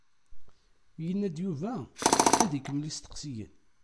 Yenna-d Yuba ad ikemmel isteqsiyen.